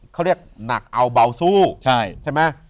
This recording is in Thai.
เขาเรียกหนักเอาเบาสู้ใช่ไหม